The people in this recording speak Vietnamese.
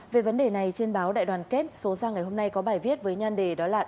về vấn đề này trên báo đại đoàn kết số ra ngày hôm nay có bài viết với nhan đề đó là